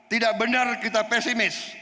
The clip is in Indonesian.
tidak benar kita pesimis